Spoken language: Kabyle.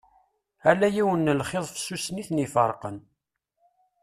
Ala yiwen n lxiḍ fessusen i ten-iferqen.